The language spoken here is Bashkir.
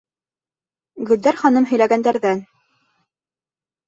Гөлдәр ханым һөйләгәндәрҙән: